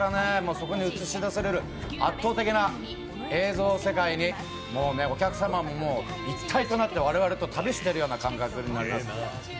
そこに映し出される圧倒的な映像世界に、もうね、お客様、一体となって我々と旅してるような感覚になります。